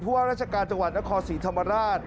เพราะว่าราชการจังหวัดและคอสรีธรรมราช